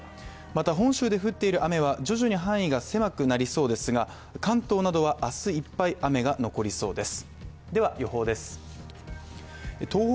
また本州で降っている雨は徐々に範囲が狭くなりそうですが関東では明日いっぱい雨が残りそうです。